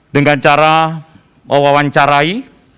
dengan cara mewawancarai